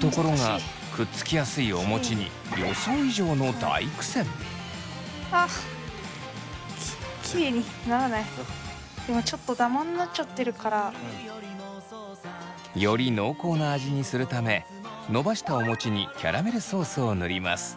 ところがくっつきやすいお餅に予想以上の大苦戦！より濃厚な味にするためのばしたお餅にキャラメルソースを塗ります。